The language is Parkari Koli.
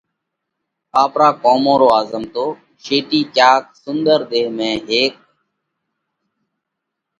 آپرون ڪرمون رو آزمتو: شيٽِي ڪياڪ سُنۮر ۮيه ۾ هيڪ